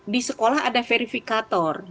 di sekolah ada verifikator